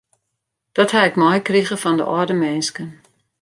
Dat ha ik meikrige fan de âlde minsken.